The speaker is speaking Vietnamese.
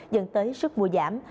dẫn tới sức mùa giảm